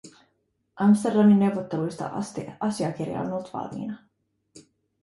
Amsterdamin neuvotteluista asti asiakirja on ollut valmiina.